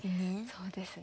そうですね。